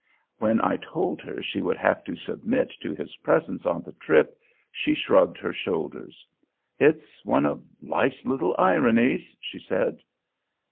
When I told her she would have to submit to his presence on the trip, she shrugged her shoulders. "It's one of 'life's little ironies,'" she said.